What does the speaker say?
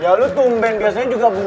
ya lu tumben biasanya juga